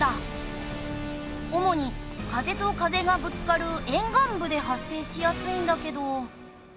主に風と風がぶつかる沿岸部で発生しやすいんだけど。